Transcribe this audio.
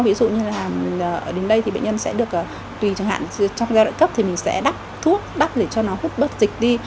ví dụ như là ở đến đây thì bệnh nhân sẽ được tùy chẳng hạn trong giai đoạn cấp thì mình sẽ đắp thuốc đắt để cho nó hút dịch đi